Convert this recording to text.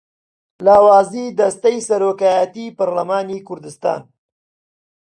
لاوازیی دەستەی سەرۆکایەتیی پەرلەمانی کوردستان